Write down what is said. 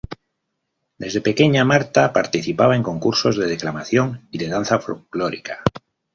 Desde pequeña, Martha participaba en concursos de declamación y de danza folclórica.